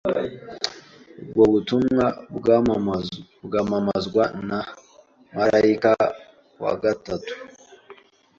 Ubwo butumwa bwamamazwa na marayika wa gatatu.